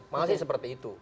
masih seperti itu